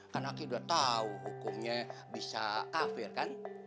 kan aki udah tau hukumnya bisa kafir kan